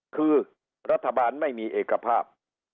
คือรัฐบาลไม่มีเอกภาพ